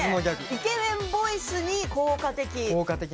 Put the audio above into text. イケメンボイスに効果的。